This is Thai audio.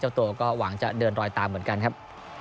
ตัวก็หวังจะเดินรอยตามเหมือนกันครับ